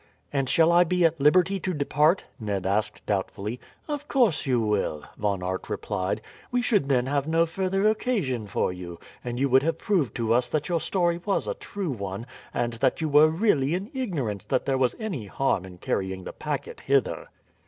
"And shall I be at liberty to depart?" Ned asked doubtfully. "Of course you will," Von Aert replied; "we should then have no further occasion for you, and you would have proved to us that your story was a true one, and that you were really in ignorance that there was any harm in carrying the packet hither."